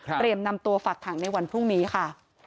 เตรียมนำตัวฝักถังในวันพรุ่งนี้ค่ะ